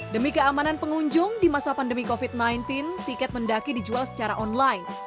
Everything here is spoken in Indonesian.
demi keamanan pengunjung di masa pandemi covid sembilan belas tiket mendaki dijual secara online